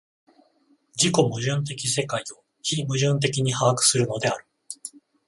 自己矛盾的世界を非矛盾的に把握するのである。